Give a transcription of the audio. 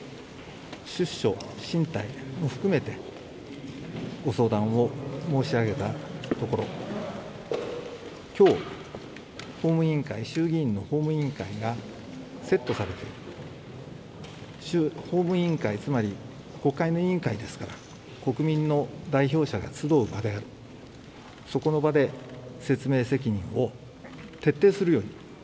出処進退も含めてご相談を申し上げたところ今日、衆議院の法務委員会がセットされて、法務委員会はつまり国会の委員会ですから国民の代表者が集う場でありそこの場で説明責任を徹底するように。